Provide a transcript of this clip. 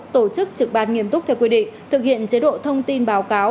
tổ chức trực ban nghiêm túc theo quy định thực hiện chế độ thông tin báo cáo